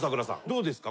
どうですか？